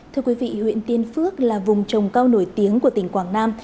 thưa quý vị huyện tiên phước là vùng trồng cao nổi tiếng của tỉnh quảng nam